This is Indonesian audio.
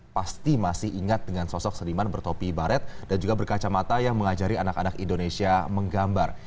pasti masih ingat dengan sosok seniman bertopi baret dan juga berkacamata yang mengajari anak anak indonesia menggambar